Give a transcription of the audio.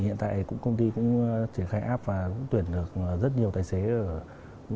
hiện tại cũng công ty cũng triển khai app và cũng tuyển được rất nhiều tài xế ở